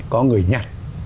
có người nhặt